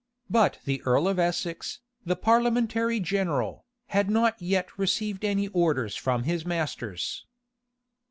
But the earl of Essex, the parliamentary general, had not yet received any orders from his masters.